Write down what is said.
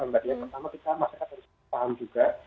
pertama kita masyarakat harus paham juga